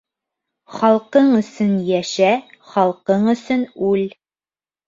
Халҡың өсөн йәшә, халҡың өсөн үл.